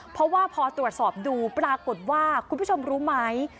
เพราะว่าพอตรวจสอบดูปรากฏว่าคุณผู้ชมรู้ไหม